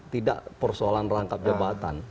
tidak persoalan rangkap jabatan